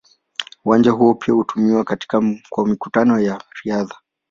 Uwanja huo pia hutumiwa kwa mikutano ya riadha.